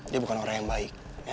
dia bukan orang yang baik